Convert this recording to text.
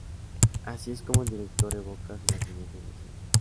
Así es como el director evoca su nacimiento en el cine.